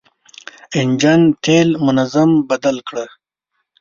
انجن تېل منظم بدل کړه.